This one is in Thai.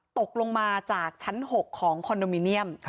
ตกลงมาจากชั้น๖ของคอนโดมิเนียม